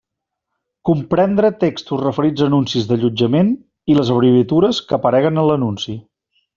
Comprendre textos referits a anuncis d'allotjament i les abreviatures que apareguen en l'anunci.